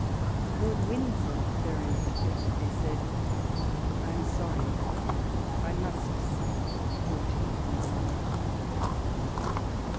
Lord Windsor, very affectedly, said, '■ I am sorry I must say, guilty upon my lionuur."